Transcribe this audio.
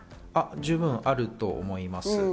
十分あると思います。